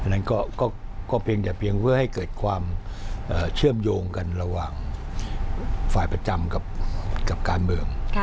นั้นก็เพียงแต่เพียงเพื่อให้เกิดความเชื่อมโยงกันระหว่างฝ่ายประจำกับการเมือง